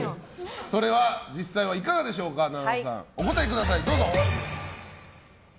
それは実際はいかがでしょうか菜々緒さん、お答えください。